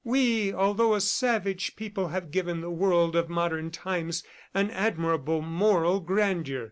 We, although a savage people, have given the world of modern times an admirable moral grandeur.